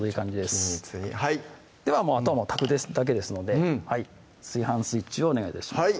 均一にではあとは炊くだけですので炊飯スイッチをお願い致します